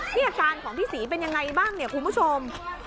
นี่อาการของพี่ศรีเป็นยังไงบ้างเนี่ยคุณผู้ชม